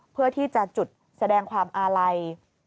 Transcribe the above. เพื่อที่จะจุดแสดงความอาลัย